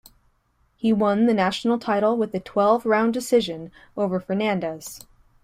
He won the national title with a twelve-round decision over Fernandez.